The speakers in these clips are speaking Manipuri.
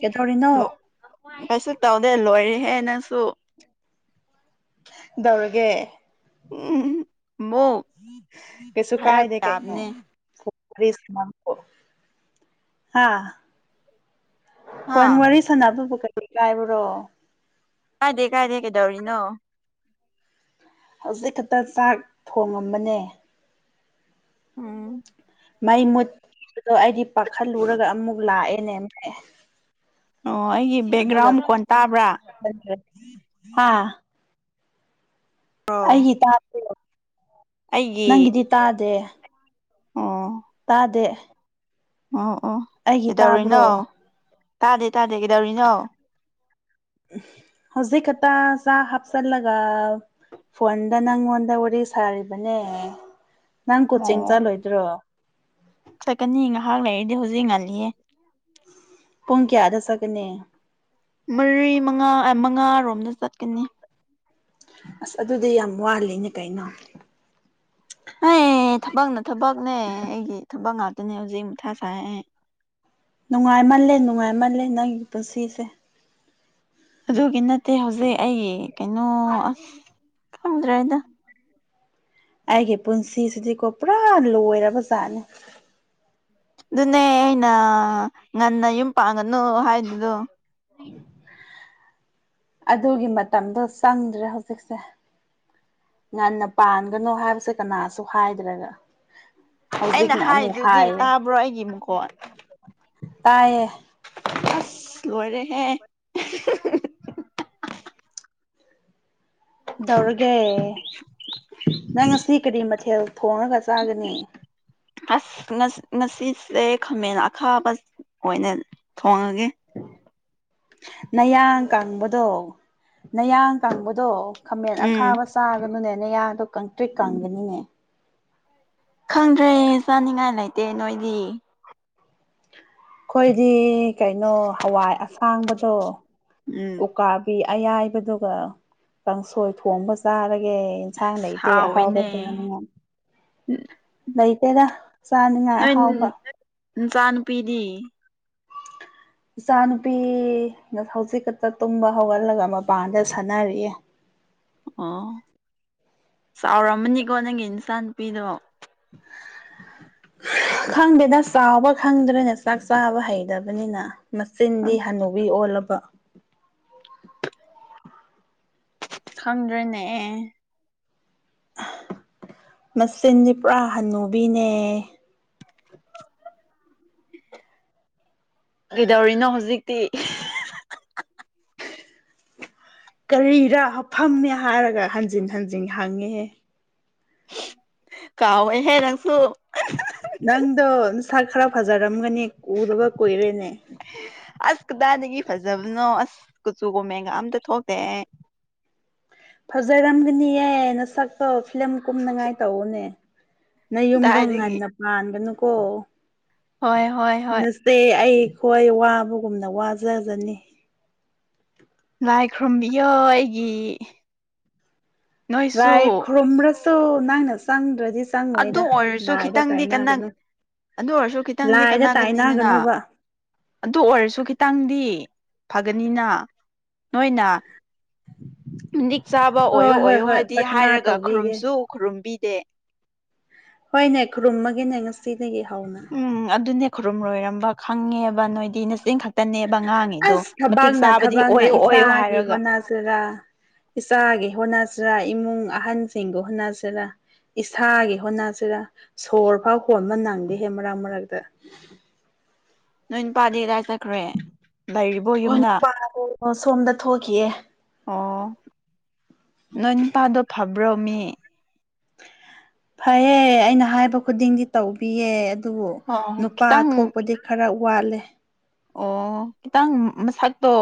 ꯀꯩꯗꯧꯔꯤꯅꯣ ꯀꯩꯁꯨ ꯇꯧꯗꯦ ꯂꯣꯏꯔꯦ꯫ ꯍꯦꯟꯅꯁꯨ ꯗꯧꯔꯒꯦ [unintelligible] ꯀꯩꯁꯨ ꯍꯥꯏꯔꯛ ꯀꯥꯏꯗꯦ ꯀꯩ ꯇꯥꯕꯅꯦ [unintelligible] ꯍꯥ ꯍꯥ ꯐꯣꯟ ꯋꯥꯔꯤ ꯁꯥꯟꯅꯕꯕꯨ ꯀꯔꯤ ꯀꯥꯏꯕ꯭ꯔꯣ? ꯀꯥꯏꯗꯦ- ꯀꯥꯏꯗꯦ ꯀꯩꯗꯧꯔꯤꯅꯣ? ꯍꯧꯖꯤꯛ ꯈꯛꯇ ꯆꯥꯛ ꯊꯣꯡꯉꯝꯕꯅꯦ꯫ ꯎꯝ ꯃꯩ ꯃꯨꯠꯄꯗꯣ ꯑꯩꯗꯤ ꯄꯥꯈꯠꯂꯨꯔꯒ ꯑꯃꯨꯛ ꯂꯥꯛꯑꯦꯅꯦꯅ ꯑꯣ ꯑꯩꯒꯤ ꯕꯦꯛꯒ꯭ꯔꯥꯎꯟ ꯃꯥꯈꯣꯟ ꯇꯥꯕ꯭ꯔꯥ? ꯍꯥ ꯑꯩꯒꯤ ꯇ ꯑꯩꯒꯤ ꯅꯪꯒꯤꯗꯤ ꯇꯥꯗꯦ ꯫ ꯇꯥꯗꯦ ꯑ ꯑꯩꯒꯤ ꯇꯥꯕ꯭ꯔꯣ? ꯇꯥꯗꯦ - ꯇꯥꯗꯦ ꯀꯩꯗꯧꯔꯤꯅꯣ? ꯍꯧꯖꯤꯛ ꯈꯠꯇ ꯆꯥꯛ ꯍꯥꯞꯆꯜꯂꯒ ꯐꯣꯟꯗ ꯅꯪꯉꯣꯟꯗ ꯋꯥꯔꯤ ꯁꯥꯔꯤꯕꯅꯦ ꯅꯪ ꯀꯣꯆꯤꯡ ꯑꯣ ꯆꯠꯂꯣꯏꯗ꯭ꯔꯣ ꯆꯠꯀꯅꯤ ꯉꯥꯏꯍꯥꯛ ꯂꯩꯔꯤꯗꯤ ꯍꯧꯖꯤꯛ ꯉꯜꯂꯤꯌꯦ ꯄꯨꯡ ꯀꯌꯥꯗ ꯆꯀꯅꯤ ꯃꯔꯤ ꯃꯉꯥ ꯃꯉꯥꯔꯣꯝꯗ ꯆꯠꯀꯅꯤ ꯑꯁ ꯑꯗꯨꯗꯤ ꯌꯥꯝ ꯋꯥꯂꯦꯅꯦ ꯀꯩꯅꯣ ꯍ ꯊꯕꯛꯅ ꯊꯕꯛꯅꯦ ꯑꯩꯒꯤ ꯊꯕꯛ ꯉꯥꯛꯇꯅꯦ ꯍꯧꯖꯤꯛ ꯑꯃꯨꯊꯥ ꯁꯥꯏꯦ ꯅꯨꯡꯉꯥꯏꯃꯜꯂꯦ ꯅꯨꯡꯉꯥꯏꯃꯜꯂꯦ ꯅꯪꯒꯤ ꯄꯨꯟꯁꯤꯁꯦ ꯑꯗꯨꯒꯤ ꯅꯠꯇꯦ ꯍꯧꯖꯤꯛ ꯑꯩ ꯀꯩꯅꯣ ꯑꯁ ꯐꯪꯗ꯭ꯔꯦꯗ ꯑꯩꯒꯤ ꯄꯨꯟꯁꯤꯁꯤꯗꯤꯀꯣ ꯄꯨꯔꯥ ꯂꯣꯏꯔꯕꯖꯥꯠꯅꯤ ꯑꯗꯨꯅꯦ ꯑꯩꯅ ꯉꯟꯅ ꯌꯨꯝ ꯄꯥꯡꯒꯅꯨ ꯍꯥꯏꯗꯨꯗꯣ ꯑꯗꯨꯒꯤ ꯃꯇꯝꯗꯣ ꯆꯪꯗ꯭ꯔꯦ ꯍꯧꯖꯤꯛꯁꯦ ꯉꯟꯅ ꯄꯥꯟꯒꯅꯣ ꯍꯥꯏꯕꯁꯦ ꯀꯅꯥꯁꯨ ꯍꯥꯏꯗ꯭ꯔꯦꯒ ꯑꯩꯅ ꯍꯧꯖꯤꯛꯅ ꯑꯃꯨꯛ ꯍꯥꯏꯗꯨꯗꯤ ꯍꯥꯏꯌꯦ ꯇꯥꯕ꯭ꯔꯣ ꯑꯩꯒꯤ ꯃꯈꯣꯟ ꯇꯥꯏꯌꯦ ꯑꯁ ꯂꯣꯏꯔꯦꯍꯦ ꯇꯧꯔꯒꯦ ꯅꯪ ꯉꯁꯤ ꯀꯔꯤ ꯃꯊꯦꯜ ꯊꯣꯡꯉꯒ ꯆꯥꯒꯅꯤ ꯑꯁ ꯉꯁꯤꯁꯦ ꯈꯥꯃꯦꯟ ꯑꯈꯥꯕ ꯑꯣꯏꯅ ꯊꯣꯡꯉꯒꯦ ꯅꯌꯥ ꯀꯥꯡꯕꯗꯣ ꯅꯌꯥꯡ ꯀꯥꯡꯕꯗꯣ ꯈꯥꯃꯦꯟ ꯎꯝ ꯑꯈꯥꯕ ꯆꯥꯒꯅꯨꯅꯦꯅꯦꯌꯥꯗꯣ ꯀꯪꯇ꯭ꯔꯤꯠ ꯀꯪꯒꯅꯤꯅꯦ ꯈꯪꯗ꯭ꯔꯦ ꯆꯥꯅꯤꯡꯉꯥꯏ ꯂꯩꯇꯦ ꯅꯣꯏꯗꯤ ꯑꯩꯈꯣꯏꯗꯤ ꯀꯩꯅꯣ ꯍꯋꯥꯏ ꯑꯁꯥꯡꯕꯗꯣ ꯎꯝ ꯎꯀꯥꯕꯤ ꯑꯌꯥꯏꯕꯗꯨꯒ ꯀꯥꯡꯁꯣꯏ ꯊꯣꯡꯕ ꯆꯥꯔꯒ ꯑꯦ ꯏꯟꯁꯥꯡ ꯂꯩꯇꯦ ꯍꯥꯎꯋꯦꯅꯦ ꯑꯍꯥꯎꯕꯁꯤꯡꯅꯅꯤꯉ ꯂꯩꯇꯦꯗ ꯆꯥꯅꯤꯉꯥꯏ ꯑꯍꯥꯎꯕ ꯆꯥꯟ ꯄꯅꯤ ꯏꯆꯥ ꯅꯨꯨꯄꯤꯅ ꯍꯧꯖꯤꯛ ꯈꯛꯇ ꯇꯨꯝꯕ ꯍꯧꯒꯜꯂꯒ ꯃꯄꯥꯟꯗ ꯁꯥꯟꯅꯔꯤꯌꯦ [unintelligible] ꯑꯣ ꯆꯥꯎꯔꯝꯃꯅꯤꯀꯣ ꯅꯪꯒꯤ ꯏꯟꯁꯥꯡ ꯅꯨꯄꯤꯗꯣ [inaudible] ꯈꯪꯗꯦꯗ ꯆꯥꯎꯕ ꯈꯪꯗ꯭ꯔꯦꯅꯦ ꯆꯥꯛ ꯆꯥꯕ ꯍꯩꯇꯕꯅꯤꯅ ꯃꯆꯤꯟꯗꯤ ꯑꯁ ꯍꯅꯨꯕꯤ ꯑꯣꯜꯂꯕ ꯈꯪꯗ꯭ꯔꯦꯅꯦ ꯑꯦ ꯃꯆꯤꯟꯁꯦ ꯄꯨꯔꯥ ꯍꯟꯅꯨꯕꯤꯅꯦ ꯀꯩꯗꯧꯔꯤꯅ ꯍꯧꯖꯤꯛ [unintelligible] ꯀꯔꯤꯔ ꯍꯥ ꯐꯝꯃꯦ ꯍꯥꯏꯔꯒ ꯍꯟꯖꯤꯟ ꯍꯟꯖꯤꯟ ꯍꯪꯉꯦ ꯀꯥꯎꯋꯦꯍꯦ ꯅꯪꯁꯨ ꯅꯪꯗꯣ ꯁꯥ ꯈꯔ ꯐꯖꯔꯝꯒꯅꯤ ꯎꯗꯒ ꯀꯨꯏꯔꯦꯅꯦ ꯑꯁ ꯀꯗꯥꯏꯗꯒꯤ ꯐꯖꯕꯅꯣ ꯑꯁ ꯀꯨꯆꯨ ꯀꯣ ꯃꯦꯟꯒ ꯑꯝꯇ ꯊꯣꯛꯇꯦꯍ ꯐꯖꯔꯝꯒꯅꯤꯌꯦꯅ ꯁꯛꯄꯣ ꯐꯤꯂꯝ ꯀꯨꯝꯅꯉꯥꯏ ꯇꯧꯎꯅꯦ ꯅꯪ ꯌꯨꯝꯗꯣꯡ ꯀꯗꯥꯏꯗꯒꯤ ꯉꯟꯅ ꯄꯥꯟꯒꯅꯨꯀꯣ ꯍꯣꯏ ꯍꯣꯏ ꯍꯣꯏ ꯅꯁꯦ ꯑꯩꯈꯣꯏ ꯋꯥ ꯑꯗꯨꯒꯒꯨꯝꯅ ꯋꯥꯖꯖꯅꯤ ꯂꯥꯏ ꯈꯨꯔꯨꯝꯕꯤꯌꯏ ꯑꯩꯒꯤ ꯅꯣꯏꯁꯨ ꯂꯥꯏ ꯈꯨꯔꯨꯝꯕ꯭ꯔꯁꯨ ꯅꯪꯅ ꯆꯪꯗ꯭ꯔꯗꯤ ꯑꯗꯨ ꯆꯪꯉꯣꯏꯗ ꯑꯣꯏꯔꯁꯨ ꯂꯥꯏꯗ ꯈꯤꯇꯪꯗꯤ ꯀꯟꯅ ꯇꯥꯏꯅꯒꯅꯨ ꯑꯗꯨ ꯑꯣꯏꯔꯁꯨ ꯈꯤꯇꯪꯗꯤ ꯂꯥꯏꯗ ꯀꯥꯟꯅꯒꯅꯤꯗꯅ ꯇꯥꯏꯅꯒꯅꯣꯕ ꯑꯗꯨ ꯑꯣꯏꯔꯁꯨ ꯈꯤꯇꯪꯗꯤ ꯐꯒꯅꯤꯅ ꯅꯣꯏꯅ ꯆꯥꯕ ꯑꯣꯏꯌꯣ ꯍꯣꯏ ꯍꯣꯏ ꯑꯣꯏꯌꯣ ꯍꯣꯏ ꯍꯥꯏꯗꯤ ꯄ꯭ꯔꯊꯅꯥ ꯍꯥꯏꯔꯒ ꯇꯧꯕꯤꯒꯦ ꯈꯨꯔꯨꯝꯁꯨ ꯈꯨꯔꯨꯝꯕꯤꯗꯦ ꯍꯣꯏꯅꯦ ꯈꯨꯔꯨꯝꯃꯒꯤꯅꯦ ꯉꯁꯤꯗꯒꯤ ꯍꯧꯅ ꯈꯨꯔꯨꯝ ꯂꯣꯏꯔꯝꯕ ꯈꯪꯉꯦꯕ ꯅꯣꯏꯗꯤ ꯅꯆꯤꯟ ꯈꯛ ꯇꯅꯦꯕ ꯉꯥꯡꯉꯤꯗꯣ ꯑꯁ ꯃꯇꯤꯛ ꯊꯕꯛꯅ ꯆꯥꯕꯗꯤ ꯊꯕꯛꯅ ꯑꯣꯏꯌꯣ ꯑꯣꯏꯌꯣ ꯏꯆꯥꯒꯤ ꯍꯥꯏꯔꯒ ꯍꯣꯠꯅꯖꯤꯔꯥ ꯏꯆꯥꯒꯤ ꯍꯣꯠꯅꯁꯤꯔ ꯏꯃꯨꯡ ꯑꯍꯟꯁꯤꯡꯒ ꯍꯣꯠꯅꯁꯤꯔꯥ ꯏꯁꯥꯒꯤ ꯍꯣꯠꯅꯁꯤꯔ ꯁꯣꯔ ꯐꯥꯎ ꯍꯣꯟꯕ ꯅꯪꯗꯦꯍꯦ ꯃꯔꯛ ꯃꯔꯛꯇ [unintelligible] ꯅꯣꯏ ꯅꯨꯄꯥꯗꯤ ꯀꯗꯥꯏ ꯆꯠꯈ꯭ꯔꯦ ꯂꯩꯔꯤꯕꯣ ꯍꯣꯏ ꯌꯨꯝꯗ ꯅꯨꯄꯥ ꯁꯣꯝꯗ ꯊꯣꯛꯈꯤꯑꯦ ꯅꯣꯏꯟ ꯄꯗꯣ ꯐꯥꯕ꯭ꯔꯣꯃꯤ ꯐꯩꯌꯦ ꯑꯩꯅ ꯍꯥꯏꯕ ꯈꯨꯗꯤꯡꯒꯤ ꯇꯧꯕꯤꯌꯦ ꯑꯗꯨꯕꯨ ꯑꯣ ꯅꯨꯄꯥ ꯈꯤꯇꯪ ꯊꯣꯛꯄꯗꯤ ꯈꯔ ꯋꯥꯠꯂꯦ ꯑꯣ ꯈꯤꯇꯪ ꯃꯁꯛꯇꯣ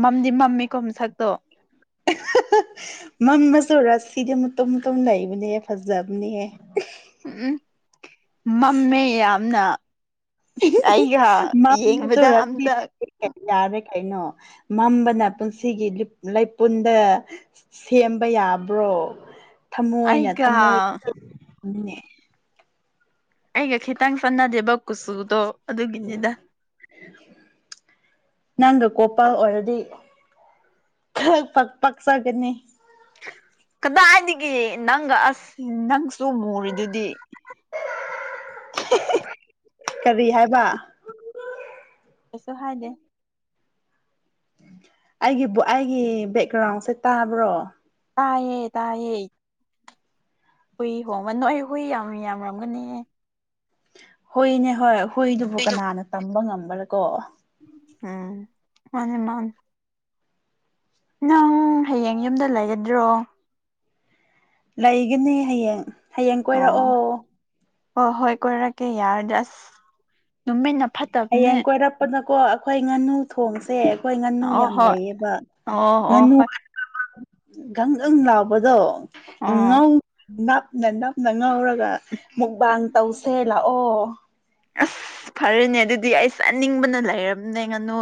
ꯃꯝꯗꯤ ꯃꯝꯃꯦꯀꯣ ꯃꯁꯛꯇꯣ [inaudible] ꯃꯝꯁꯨ ꯔꯥꯁꯤꯗꯤ ꯃꯇꯣ ꯃꯇꯨꯝ ꯂꯩꯕꯅꯦꯍ ꯐꯖꯕꯅꯦꯍ ꯎꯝ ꯃꯝꯃꯦ ꯌꯥꯝꯅ ꯑꯩ ꯌꯦꯡꯕꯗꯥ ꯃꯝꯕꯗꯨꯔꯛꯇꯤ ꯑꯇ ꯌꯥꯔꯦ ꯀꯩꯅꯣ ꯃꯝꯕꯅ ꯄꯨꯟꯁꯤꯒꯤ ꯂꯩꯄꯨꯟꯗ ꯁꯦꯝꯕ ꯌꯥ ꯌꯥꯕ꯭ꯔꯣ ꯊꯃꯣꯏꯅ ꯑꯩꯒ ꯊꯃꯣꯏꯅꯦ ꯑꯩꯒ ꯈꯤꯇꯪ ꯆꯠꯅꯗꯦꯕ ꯀꯨꯆꯨꯗꯣ ꯑꯗꯨꯒꯤꯅꯤꯗ ꯅꯒ ꯀꯣꯄꯥ ꯑꯣꯏꯔꯗꯤ ꯄ ꯄꯛꯆꯒꯅꯤ ꯀꯗꯥꯏꯗꯒꯤ ꯅꯪꯒ ꯑꯁ ꯅꯪ ꯆꯨ ꯃꯨꯔꯤꯗꯨꯗꯤ ꯀꯔꯤ ꯍꯥꯏꯕ ꯀꯁꯨ ꯍꯥꯏꯗꯦ ꯑꯩꯒꯤ ꯑꯩꯒꯤ ꯕꯦꯛꯒ꯭ꯔꯥꯎꯟꯁꯦ ꯇꯥꯕ꯭ꯔꯣ ꯇꯥꯌꯦ ꯇꯥꯏꯌꯦ ꯍꯨꯏ ꯍꯣꯡꯃ ꯅꯣꯏ ꯍꯨꯏ ꯌꯥꯝ ꯌꯥꯝꯔꯝꯒꯅꯤꯌꯦ ꯍꯨꯏꯅꯦ ꯍꯣꯏ ꯍꯨꯏꯗꯨꯕꯨ ꯍꯨꯏꯗꯣ ꯀꯅꯥꯅ ꯇꯝꯕ ꯉꯝꯕ꯭ꯔ ꯀꯣ ꯎꯝ ꯃꯥꯅꯤ ꯃꯥꯥꯟ ꯅꯪ ꯍꯌꯦꯡ ꯌꯨꯝꯗ ꯂꯩꯒꯗ꯭ꯔꯣ ꯂꯩꯒꯅꯤ ꯍꯌꯦꯡ ꯍꯌꯦꯡ ꯀꯣꯏꯔꯛꯑꯣ ꯑꯣ ꯍꯣꯏ ꯀꯔꯀꯦ ꯌꯥꯔꯗꯁ ꯍꯌꯦꯡ ꯀꯣꯏꯔꯛꯄꯗꯀꯣ ꯑꯩꯈꯣꯏ ꯉꯥꯅꯨ ꯊꯣꯡꯁꯦ ꯍꯣꯏ ꯉꯥꯅꯨ ꯑꯣ ꯌꯥꯝ ꯍꯣꯏ ꯂꯩꯌꯦꯕ ꯑꯣ ꯑꯣ ꯉꯥꯅꯨ ꯍꯣꯏ ꯒꯪꯒꯪ ꯂꯥꯎꯕꯗꯣ ꯑꯣ ꯉꯧ ꯅꯞꯅ ꯅꯞꯅ ꯉꯧꯔꯒ ꯃꯨꯛꯕꯥꯟ ꯇꯧꯁꯦ ꯂꯥꯛꯑꯣ ꯑꯁ ꯐꯔꯦꯅꯦ ꯑꯗꯨꯗꯤ ꯑꯩ ꯆꯥꯅꯤꯡꯕꯅ ꯂꯩꯔꯝꯅꯦ ꯉꯥꯅꯨ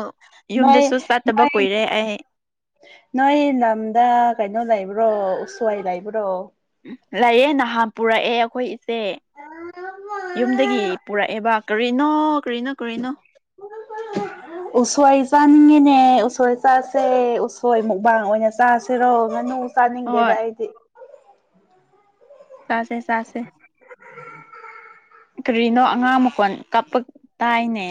ꯅꯣꯏ ꯌꯨꯝꯗꯁꯨ ꯆꯠꯇꯕ ꯅꯣꯏ ꯀꯨꯏꯔꯦ ꯑꯩ ꯅꯣꯏ ꯅꯝꯗ ꯀꯏꯅꯣ ꯂꯏꯕ꯭ꯔꯣ ꯎꯁꯣꯏ ꯂꯥꯏꯕ꯭ꯔꯣ ꯂꯩꯌꯦ ꯅꯍꯥꯟ ꯄꯨꯔꯛꯑꯦ ꯑꯩꯈꯣꯏ ꯏꯆꯦ ꯌꯨꯝꯗꯒꯤ ꯄꯨꯔꯛꯑꯦꯕ ꯀꯔꯤꯅꯣ ꯀꯔꯤꯅꯣ ꯀꯔꯤꯅꯣ ꯀꯅꯥ ꯀ [inaudible] ꯎꯁꯣꯏ ꯆꯥꯅꯤꯡꯉꯤꯅꯦ ꯎꯁꯣꯏ ꯆꯥꯁꯦ ꯎꯁꯣꯏ ꯃꯨꯛꯕꯥꯡ ꯑꯣꯏꯅ ꯆꯥꯁꯦꯔꯣ ꯉꯥꯅꯨ ꯁꯅꯤꯡꯗꯦꯗ ꯍꯣꯏ ꯑꯩꯗꯤ ꯆꯥꯁꯦ ꯆꯥꯁꯦ ꯎ [inaudible] ꯀꯔꯤꯅꯣ ꯑꯉꯥꯡ ꯃꯈꯣꯟ ꯀꯞꯄ ꯇꯥꯏꯅꯦ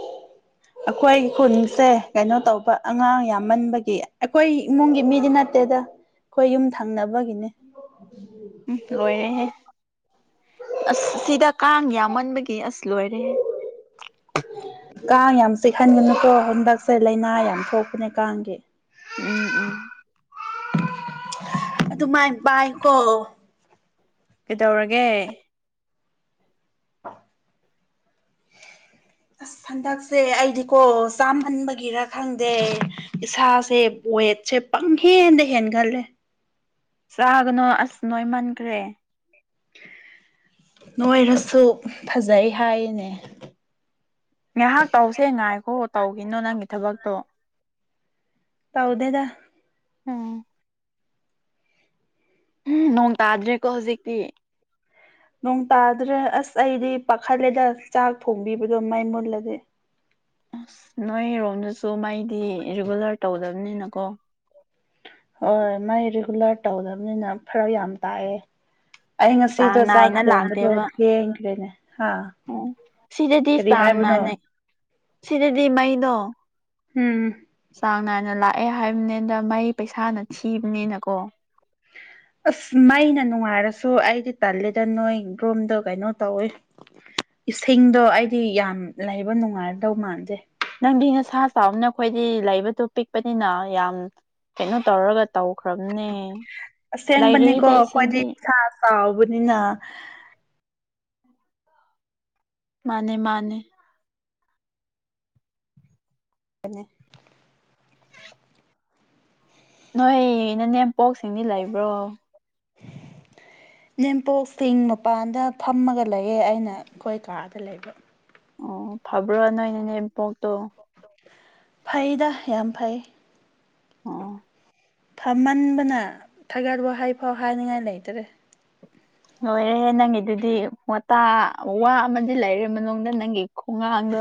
[inaudible] ꯑꯩꯈꯣꯏ ꯈꯨꯟꯁꯦ ꯀꯩꯅꯣ ꯇꯧꯕ ꯑꯉꯥꯡ ꯌꯥꯝꯃꯟꯕꯒꯤ ꯑꯩꯈꯣꯏ ꯏꯃꯨꯡꯒꯤ ꯃꯤꯗꯤ ꯅꯠꯇꯦꯗ ꯑꯩꯈꯣꯏ ꯌꯨꯝ ꯊꯪꯅꯕꯒꯤꯅꯦ ꯎꯝ ꯂꯣꯏꯔꯦꯍꯦ ꯑꯁ ꯁꯤꯗ ꯀꯥꯡ ꯌꯥꯝ ꯃꯟꯕꯒꯤ ꯑꯁ ꯂꯣꯏꯔꯦꯍꯦ ꯀꯥꯡ ꯌꯥꯝ ꯆꯤꯛꯍꯟꯒꯅꯨꯀꯣ ꯍꯟꯗꯛꯁꯦ ꯂꯥꯏꯅꯥ ꯌꯥꯝ ꯊꯣꯛꯄꯅꯦ ꯀꯥꯡꯒꯤ ꯎꯝ ꯎꯝ ꯑꯗꯨꯨꯃꯥꯏ ꯄꯥꯏ ꯀꯣ ꯀꯩꯗꯧꯔꯒꯦ ꯑ ꯑꯁ ꯍꯟꯗꯛꯁꯦ ꯑꯩꯗꯤꯀꯣ ꯆꯥꯃꯥꯟꯕꯒꯤꯔ ꯈꯪꯗꯦ ꯏꯁꯥꯁꯦ ꯋꯦꯠꯁꯦ ꯄꯪꯍꯦꯟꯗ ꯍꯦꯟꯒꯜꯂꯦ ꯆꯥꯒꯅꯨ ꯑꯁ ꯅꯣꯏ ꯃꯟꯈ꯭ꯔꯦ ꯅꯣꯏꯔꯁꯨ ꯐꯖꯩ ꯍꯥꯏꯅꯦ ꯉꯥꯏꯍꯥꯛ ꯇꯧꯁꯦ ꯉꯥꯏꯈꯣ ꯇꯧꯈꯤꯅꯣ ꯅꯪꯒꯤ ꯊꯕꯛꯇꯣ ꯇꯥꯎꯗꯦꯗ ꯎꯝ ꯅꯣꯡ ꯇꯥꯗ꯭ꯔꯦꯀꯣ ꯍꯧꯖꯤꯛꯇꯤ ꯅꯣꯡ ꯇꯥꯗ꯭ꯔꯦ ꯑꯁ ꯑꯩꯗꯤ ꯄꯥꯈꯠꯂꯦꯗ ꯆꯥꯛ ꯊꯣꯡꯕꯤꯕꯗꯣ ꯃꯩ ꯃꯨꯠꯂꯗꯤ ꯑꯁ ꯅꯣꯏꯔꯣꯝꯗꯁꯨ ꯃꯩꯗꯤ ꯔꯤꯒꯨꯂꯔ ꯇꯧꯗꯕꯅꯤꯅꯀꯣ ꯍꯣꯏ ꯃꯩ ꯔꯤꯒꯨꯂꯔ ꯇꯧꯗꯕꯅꯤꯅ ꯐꯔꯛ ꯌꯥꯝ ꯇꯥꯏꯌꯦ ꯑꯩ ꯉꯁꯤꯗꯣ ꯆꯥꯡ ꯆꯥꯛ ꯅꯥꯏꯅ ꯊꯣꯡꯕꯗꯣ ꯂꯥꯛꯇꯦꯕ ꯊꯦꯡꯈ꯭ꯔꯦꯅꯦ ꯍꯥ ꯑꯣ ꯁꯤꯗꯗꯤ ꯀꯔꯤ ꯆꯥꯡ ꯍꯥꯏꯕꯅꯣ ꯅꯥꯥꯟꯅꯩ ꯁꯤꯗꯗꯤ ꯃꯩꯗꯣ ꯎꯝ ꯆꯥꯡ ꯅꯥꯏꯅ ꯂꯥꯛꯑꯦ ꯍꯥꯏꯕꯅꯤꯗ ꯃꯩ ꯄꯩꯁꯥꯅ ꯊꯤꯕꯅꯤꯅꯀꯣ [unintelligible] ꯑꯁ ꯃꯩꯅ ꯅꯨꯡꯉꯥꯏꯔꯁꯨ ꯑꯩꯗꯤ ꯇꯜꯂꯦꯗ ꯅꯣꯏ ꯒ꯭ꯔꯣꯝꯗꯣ ꯀꯩꯅꯣ ꯇꯧꯋꯤ ꯏꯁꯤꯡꯗꯣ ꯑꯩꯗꯤ ꯌꯥꯝ ꯂꯩꯕ ꯅꯨꯡꯉꯥꯏꯗꯧ ꯃꯥꯟꯗꯦ ꯅꯪꯗꯤ ꯅꯁꯥ ꯆꯥꯎꯕꯅ ꯑꯩꯈꯣꯏꯗꯤ ꯂꯩꯕꯗꯨ ꯄꯤꯛꯄꯅꯤꯅ ꯌꯥꯝ ꯀꯩꯅꯣ ꯇꯧꯔꯒ ꯇꯧꯈ꯭ꯔꯕꯅꯦ ꯑꯁꯦꯡꯕꯅꯤꯀꯣ ꯂꯩꯔꯤꯗ ꯈ꯭ꯋꯥꯏꯗꯤ ꯏꯁꯤꯡꯗꯤ ꯏꯁꯥ ꯆꯥꯎꯕꯅꯤꯅ ꯃꯥꯅꯦ ꯃꯥꯅꯦ ꯅꯦ ꯅꯣꯏ ꯅꯅꯦꯝꯄꯣꯛꯁꯤꯡꯗꯤ ꯂꯩꯕ꯭ꯔꯣ [inaudible] ꯏꯅꯦꯝꯄꯣꯛ ꯁꯤꯡ ꯃꯄꯥꯟꯗ ꯐꯝꯃꯒ ꯂꯩꯌꯦ ꯑꯩꯅ ꯑꯩꯈꯣꯏ ꯀꯥꯗ ꯂꯩꯕ ꯑꯣ ꯐꯥꯕ꯭ꯔ ꯅꯣꯏ ꯅꯅꯦꯝꯄꯣꯛꯇꯣ ꯐꯩꯗ ꯌꯥꯝ ꯐꯩ ꯑꯣ ꯐꯝꯃꯟꯕꯅ ꯊꯥꯒꯠ ꯋꯥꯍꯩꯐꯥꯎ ꯍꯥꯏꯅꯤꯡꯉꯥꯏ ꯂꯩꯇꯔꯦ ꯂꯣꯏꯔꯦꯍꯦ ꯅꯪꯒꯤꯗꯨꯗꯤ ꯋꯥꯇꯥ ꯋꯥ ꯑꯃꯗꯤ ꯂꯩꯔꯦ ꯃꯅꯨꯡꯗ ꯅꯪꯒꯤ ꯈꯣꯡꯉꯥꯡ ꯗꯨ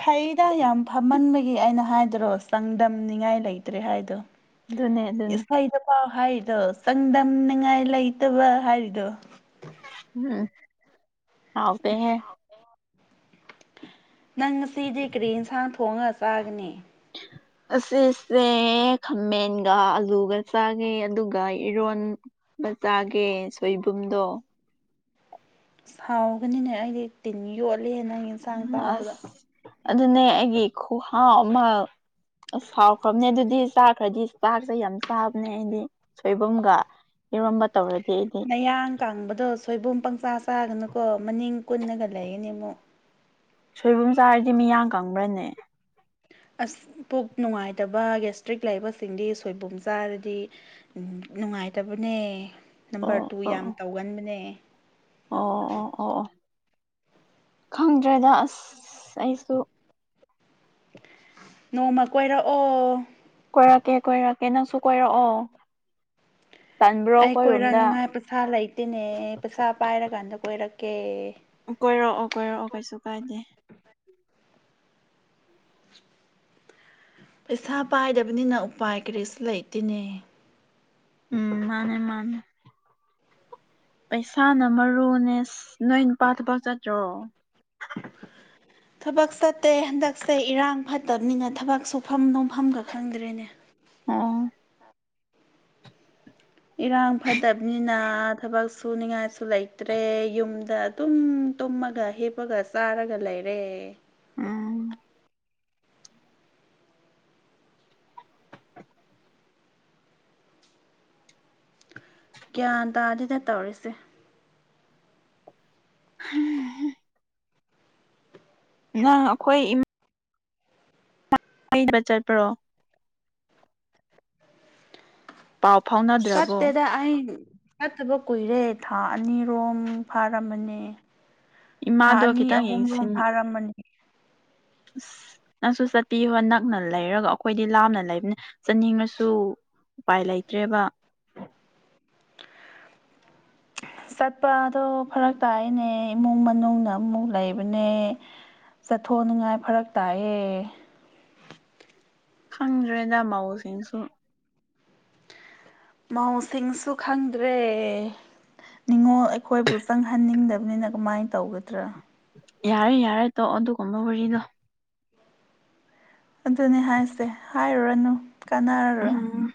ꯐꯩꯗ ꯌꯥꯝ ꯐꯝꯍꯟꯕꯒꯤ ꯑꯩꯅ ꯍꯥꯏꯗꯔꯣ ꯆꯥꯡꯗꯝꯅꯤꯉꯥꯏ ꯂꯩꯇ꯭ꯔꯦ ꯍꯥꯏꯗꯣ ꯗꯨꯅꯦ ꯗꯨꯅꯦ ꯏꯁꯩꯗ ꯐꯥꯎ ꯍꯥꯏꯔꯤꯗꯣ ꯆꯥꯡꯗꯝꯅꯤꯉꯥꯏ ꯂꯩꯇꯕ ꯍꯥꯏꯔꯤꯗꯣ ꯎꯝ ꯍꯥꯎꯇꯦ ꯍꯦ ꯅꯪ ꯉꯁꯤꯗꯤ ꯀꯔꯤ ꯌꯦꯟꯁꯥꯡ ꯊꯣꯡꯉꯒ ꯆꯥꯒꯅꯤ ꯑꯁꯤꯁꯦ ꯈꯥꯃꯦꯟꯒ ꯑꯂꯨꯒ ꯆꯥꯒꯦ ꯑꯗꯨꯒ ꯏꯔꯣꯟ ꯕꯆꯥꯒꯤ ꯁꯣꯏꯕꯨꯝꯗꯣ ꯁꯥꯎꯒꯅꯤꯅꯦ ꯑꯩꯗꯤ ꯇꯤꯟ ꯌꯣꯠꯂꯦ ꯅꯪ ꯌꯦꯟꯁꯥꯡ ꯇꯥꯕꯗ ꯑꯁ ꯑꯗꯨꯅꯦ ꯑꯩꯒꯤ ꯈꯨꯍꯥꯎ ꯑꯃ ꯑꯁ ꯁꯥꯎꯈ꯭ꯔꯕꯅꯦ ꯑꯗꯨꯗꯤ ꯆꯥꯈ꯭ꯔꯗꯤ ꯆꯥꯛꯁꯦ ꯌꯥꯝ ꯆꯥꯕꯅꯦ ꯍꯥꯏꯗꯤ ꯁꯣꯏꯕꯨꯝꯒ ꯏꯔꯣꯝꯕ ꯇꯧꯔꯗꯤ ꯑꯩꯗꯤ ꯃꯌꯥꯡ ꯀꯥꯡꯕꯗꯣ ꯁꯣꯏꯕꯨꯝ ꯄꯪꯆꯥ ꯆꯥꯒꯅꯨꯀꯣ ꯃꯅꯤꯡ ꯀꯨꯟꯅꯒ ꯂꯩꯒꯅꯤ ꯑꯃꯨꯛ ꯁꯣꯏꯕꯨꯝ ꯆꯥꯔꯗꯤ ꯃꯤꯌꯥ ꯀꯪꯕ꯭ꯔꯅꯦ ꯑꯁ ꯄꯨꯛ ꯅꯨꯡꯉꯥꯏꯇꯕ ꯒꯦꯁꯇ꯭ꯔꯤꯛ ꯂꯩꯕꯁꯤꯡꯗꯤ ꯁꯣꯏꯕꯨꯝ ꯆꯥꯔꯗꯤ ꯅꯨꯡꯉꯥꯏꯇꯕꯅꯦ ꯅꯝꯕꯔ ꯑꯣ ꯇꯨ ꯌꯥꯝ ꯑꯣ ꯇꯧꯒꯟꯕꯅꯦ ꯑꯣ ꯑꯣ ꯑꯣ ꯑꯣ ꯈꯪꯗ꯭ꯔꯦꯗ ꯑꯁ ꯑꯩꯁꯨ ꯅꯣꯡꯃ ꯀꯣꯏꯔꯛꯑꯣ ꯀꯣꯏꯔꯛꯀꯦ ꯀꯣꯏꯔꯛꯀꯦ ꯅꯪꯁꯨ ꯀꯣꯏꯔꯛꯑꯣ ꯇꯟꯕ꯭ꯔꯣ ꯑꯩ ꯑꯩꯈꯣꯏꯔꯣꯝꯗ ꯀꯣꯏꯔꯛꯅꯤꯉꯥꯏ ꯄꯩꯁꯥ ꯂꯩꯇꯦꯅꯦ ꯄꯩꯁꯥ ꯄꯥꯏꯔꯀꯥꯟꯗ ꯀꯣꯏꯔꯛꯀꯦ ꯀꯣꯏꯔꯛꯑꯣ ꯀꯣꯏꯔꯛꯑꯣ ꯀꯩꯁꯨ ꯀꯥꯏꯗꯦ [inaudible] ꯏꯁꯥ ꯄꯥꯏꯗꯕꯅꯤꯅ ꯎꯄꯥꯏ ꯀꯔꯤꯁꯨ ꯂꯩꯇꯦꯅꯦ ꯎꯝ ꯃꯥꯅꯦ ꯃꯥꯅꯦ ꯄꯩꯁꯥꯅ ꯃꯔꯨꯅꯦꯁ ꯅꯣꯏ ꯅꯨꯄꯥꯗꯨꯐꯥꯎ ꯆꯠꯇ꯭ꯔꯣ ꯊꯕꯛ ꯆꯠꯇꯦ ꯍꯟꯗꯛꯁꯦ ꯏꯔꯥꯡ ꯐꯠꯇꯕꯅꯤꯅ ꯊꯕꯛ ꯁꯨꯐꯝ ꯅꯣꯝꯐꯝꯒ ꯈꯪꯗ꯭ꯔꯦꯅꯦ ꯑꯥ ꯏꯔꯥꯡ ꯐꯠꯇꯕꯅꯤꯅ ꯊꯕꯛ ꯁꯨ ꯅꯤꯡꯉꯥꯏꯁꯨ ꯂꯩꯇ꯭ꯔꯦ ꯌꯨꯝꯗ ꯑꯗꯨꯝ ꯇꯨꯝꯃꯒ ꯍꯦꯞꯄꯒ ꯆꯥꯔꯒ ꯂꯩ ꯔꯦ ꯎꯝ ꯒ꯭ꯌꯥꯟ ꯇꯥꯗꯤꯗ ꯇꯧꯔꯤꯁꯦ ꯎꯝ ꯉ ꯑꯩꯈꯣꯏ ꯏꯃꯥ ꯃꯤꯕ ꯆꯠ ꯄ꯭ꯔꯣ ꯄꯥꯎ ꯐꯥꯎꯅꯗ꯭ꯔꯕꯣ ꯆꯠꯇꯦꯗ ꯑ ꯐꯠꯇꯕ ꯀꯨꯏꯔꯦ ꯊꯥ ꯑꯅꯤꯔꯣꯝ ꯐꯥꯔꯝꯃꯅꯤ ꯊꯥ ꯏꯃꯥꯗꯣ ꯑꯅꯤ ꯈꯤꯇꯪ ꯑꯍꯨꯝꯂꯣꯝ ꯌꯦꯡꯁꯤꯟ ꯐꯥꯔꯝꯃꯅꯤ ꯑꯁ ꯅꯪꯁꯨ ꯆꯠꯄꯤꯌꯣ ꯅꯛꯅ ꯂꯩꯔꯒ ꯑꯩꯈꯣꯏꯗꯤ ꯂꯥꯞꯅ ꯂꯩꯕꯅꯤ ꯆꯠꯅꯤꯡꯉꯁꯨ ꯎꯄꯥꯏ ꯂꯩꯇ꯭ꯔꯦꯕ [unintelligible] [inaudible] ꯆꯠꯄꯗꯣ ꯐꯔꯛ ꯇꯥꯏꯅꯦ ꯏꯃꯨꯡ ꯃꯅꯨꯡꯅ ꯑꯃꯨꯛ ꯂꯩꯕꯅꯦ ꯆꯠꯊꯣꯛꯅꯤꯉꯥꯏ ꯐꯔꯛ ꯇꯥꯛꯑꯦ ꯈꯪꯗ꯭ꯔꯦꯗ ꯃꯥꯎꯁꯤꯡꯁꯨ ꯃꯍꯧꯁꯤꯡꯁꯨ ꯈꯪꯗ꯭ꯔꯦ ꯅꯤꯡꯅꯤꯉꯣꯜ ꯑꯩꯈꯣꯏꯕꯨ ꯆꯪꯍꯟꯅꯤꯡꯗꯕꯅꯤꯅ ꯑꯃꯥꯏꯅ ꯇꯧꯒꯗ꯭ꯔꯥ ꯌꯥꯔꯦ ꯌꯥꯔꯦ ꯇꯣ ꯑꯗꯨꯒ ꯀꯕ ꯋꯥꯔꯤꯔꯤꯗꯣ ꯑꯗꯨꯅꯦ ꯍꯥꯏꯁꯦ ꯍꯥꯏꯔꯨꯔꯅꯨ ꯀꯥꯟꯅꯔꯔꯣꯏ ꯎꯝ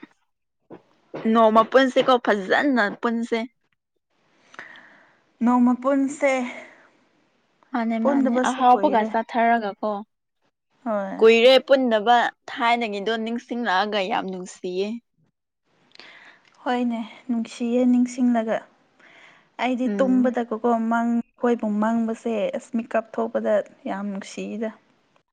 ꯅꯣꯡꯃ ꯄꯨꯟꯁꯤꯦꯀꯣ ꯐꯖꯅ ꯄꯨꯟꯁꯦ ꯅꯣꯡꯃ ꯄꯨꯨꯟꯁꯦ ꯃꯥꯅꯦ ꯃꯥꯅꯦ ꯑꯍꯥꯎꯕꯒ ꯆꯥꯊꯔꯒ ꯀꯣ ꯍꯣꯏ ꯀꯨꯏꯔꯦ ꯄꯨꯟꯗꯕ ꯊꯥꯏꯅꯒꯤꯗꯣ ꯅꯤꯡꯁꯤꯡꯂꯛꯑꯒ ꯌꯥꯝ ꯅꯨꯡꯁꯤꯌꯦ ꯍꯣꯏꯅꯦ ꯅꯨꯡꯁꯤꯌꯦ ꯅꯤꯡꯁꯤꯡꯂꯒ ꯑꯩꯗꯤ ꯎꯝ ꯇꯨꯝꯕꯗꯀꯣꯀꯣ ꯑꯪ ꯃꯪꯕꯁꯦ ꯑꯁ ꯃꯤꯀ ꯀꯞ ꯊꯣꯛꯄꯗ ꯌꯥꯝ ꯅꯨꯡꯁꯤꯗ